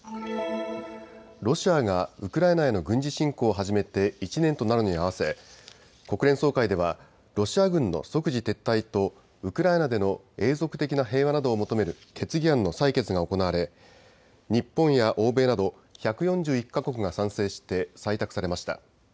ロシアがウクライナへの軍事侵攻を始めて１年となるのに合わせ国連総会ではロシア軍の即時撤退とウクライナでの永続的な平和などを求める決議案の採決が行われ日本や欧米など１４１か国が賛成して採択されました。